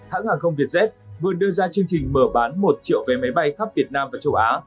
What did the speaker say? hãng hàng không vietjet vừa đưa ra chương trình mở bán một triệu vé máy bay khắp việt nam và châu á